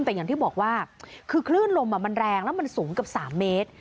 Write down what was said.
แต่อย่างที่บอกว่าคือคลื่นลมมันแรงแล้วมันสูงเกือบ๓เมตร